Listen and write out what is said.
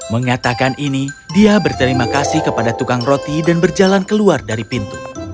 mengatakan ini dia berterima kasih kepada tukang roti dan berjalan keluar dari pintu